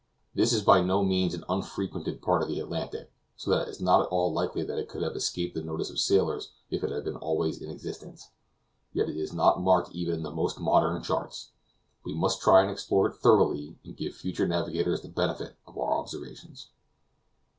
This is by no means an unfrequented part of the Atlantic, so that it is not at all likely that it could have escaped the notice of sailors if it had been always in existence; yet it is not marked even in the most modern charts. We must try and explore it thoroughly and give future navigators the benefit of our observations."